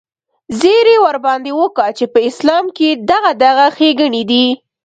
زيرى ورباندې وکه چې په اسلام کښې دغه دغه ښېګڼې دي.